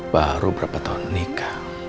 baru berapa tahun nikah